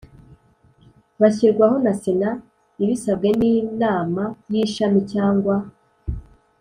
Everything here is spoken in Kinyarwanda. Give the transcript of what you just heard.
Bashyirwaho na Sena ibisabwe n Inama y ishami cyangwa